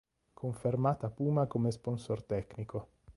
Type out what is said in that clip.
Confermata Puma come sponsor tecnico.